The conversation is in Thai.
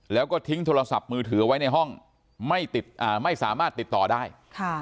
แล้วก็ทิ้งโทรศัพท์มือถือไว้ในห้องไม่ติดอ่าไม่สามารถติดต่อได้ค่ะ